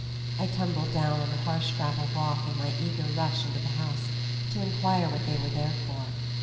I tumbled down on the harsh gravel walk in my eager rush into the house to inquire what they were "there for."